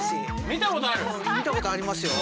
見たことありますよ。